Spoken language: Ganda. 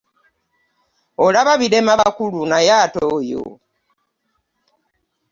Olaba birema bakulu naye ate oyo!